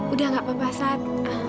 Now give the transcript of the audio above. udah gak apa apa saat